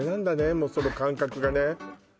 もうその感覚がね